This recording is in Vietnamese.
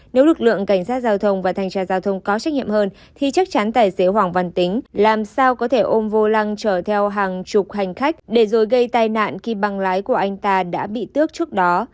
nếu lực lượng cảnh sát giao thông và thanh tra giao thông có trách nhiệm hơn thì chắc chắn tài xế hoàng văn tính làm sao có thể ôm vô lăng chở theo hàng chục hành khách để rồi gây tai nạn khi băng lái của anh ta đã bị tước trước đó